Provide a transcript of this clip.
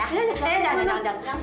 eh jangan jangan jangan